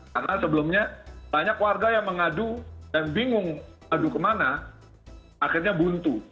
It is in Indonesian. karena sebelumnya banyak warga yang mengadu dan bingung adu kemana akhirnya buntu